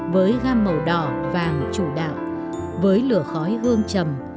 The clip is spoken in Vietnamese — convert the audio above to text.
ngang màu đỏ vàng chủ đạo với lửa khói hương trầm